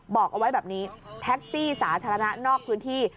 บอกเอาไว้แบบนี้แท็กซี่สาธารณะนอกพื้นที่